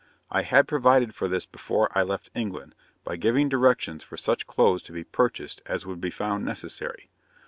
I had provided for this before I left England, by giving directions for such clothes to be purchased as would be found necessary.